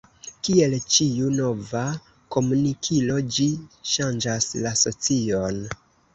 Kiel ĉiu nova komunikilo ĝi ŝanĝas la socion.